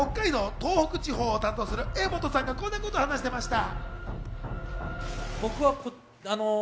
出発を前にした舞台挨拶では、北海道、東北地方を担当する柄本さんがこんなことを話していました。